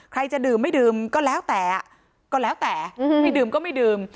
ใครจะดื่มไม่ดื่มก็แล้วแต่ก็แล้วแต่ไม่ดื่มก็ไม่ดื่ม